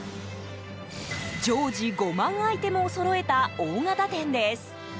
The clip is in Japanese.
常時５万アイテムをそろえた大型店です。